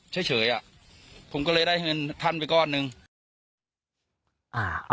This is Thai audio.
ท่านพรุ่งนี้ไม่แน่ครับ